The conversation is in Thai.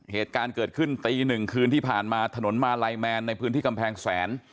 เหตุการณ์เกิดขึ้นตีหนึ่งคืนที่ผ่านมาถนนมาลัยแมนในพื้นที่กำแพงแสน